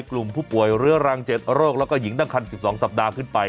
กลุ่มผู้ป่วยเรื้อรัง๗โรคแล้วก็หญิงตั้งคัน๑๒สัปดาห์ขึ้นไป